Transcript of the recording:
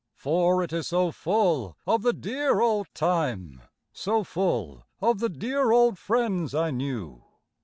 For it is so full of the dear old time— So full of the dear old friends I knew.